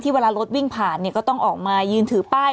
ที่เวลารถวิ่งผ่านก็ต้องออกมายืนถือป้าย